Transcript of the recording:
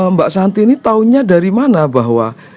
mbak santi ini tahunya dari mana bahwa